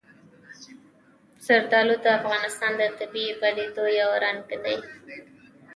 زردالو د افغانستان د طبیعي پدیدو یو رنګ دی.